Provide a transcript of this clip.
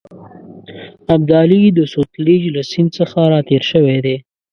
ابدالي د سوتلیج له سیند څخه را تېر شوی دی.